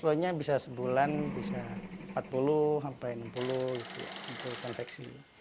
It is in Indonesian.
exploitenya bisa sebulan bisa empat puluh sampai enam puluh untuk konteksi